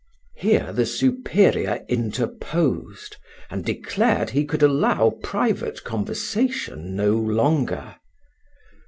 Here the superior interposed, and declared he could allow private conversation no longer.